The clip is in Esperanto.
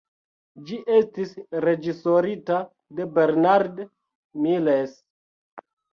Ĝi estis reĝisorita de Bernard Miles.